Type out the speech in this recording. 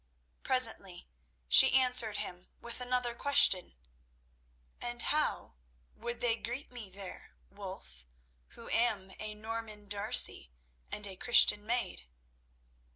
Presently she answered him with another question. "And how would they greet me there, Wulf, who am a Norman D'Arcy and a Christian maid?"